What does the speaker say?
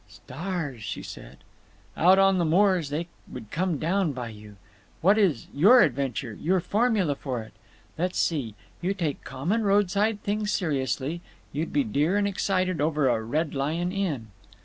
"Stars," she said. "Out on the moors they would come down by you…. What is your adventure—your formula for it?… Let's see; you take common roadside things seriously; you'd be dear and excited over a Red Lion Inn."